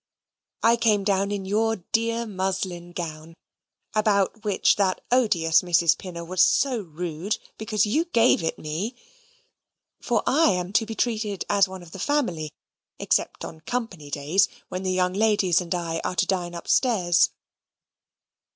I came down in your dear muslin gown (about which that odious Mrs. Pinner was so rude, because you gave it me); for I am to be treated as one of the family, except on company days, when the young ladies and I are to dine upstairs.